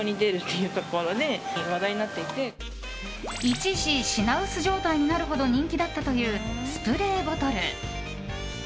一時、品薄状態になるほど人気だったというスプレーボトル。